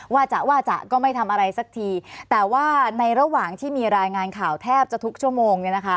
ว่าจะว่าจะก็ไม่ทำอะไรสักทีแต่ว่าในระหว่างที่มีรายงานข่าวแทบจะทุกชั่วโมงเนี่ยนะคะ